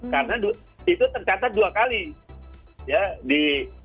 karena itu tercatat dua kali ya di